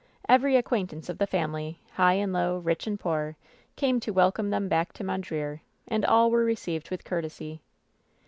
Every acquaintance of the family, high and low, rich and poor, came to welcome them back to Mondreer, and all were received with courtesy.